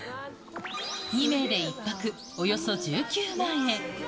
２名で１泊およそ１９万円。